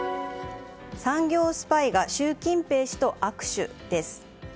産業スパイが習近平氏と握手です。